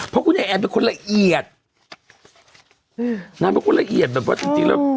เพราะคุณไอแอนเป็นคนละเอียดอืมนางเป็นคนละเอียดแบบว่าจริงจริงแล้ว